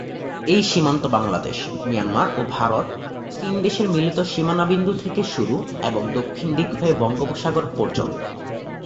এই সীমান্ত বাংলাদেশ, মিয়ানমার ও ভারত তিন দেশের মিলিত সীমানা বিন্দু থেকে শুরু এবং দক্ষিণ দিক হয়ে বঙ্গোপসাগর পর্যন্ত।